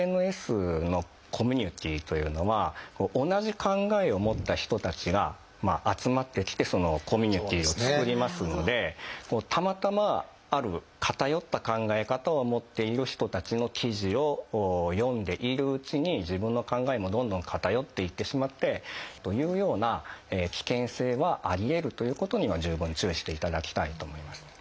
ＳＮＳのコミュニティーというのは同じ考えを持った人たちが集まってきてそのコミュニティーを作りますのでたまたまある偏った考え方を持っている人たちの記事を読んでいるうちに自分の考えもどんどん偏っていってしまってというような危険性はありえるということには十分注意していただきたいと思います。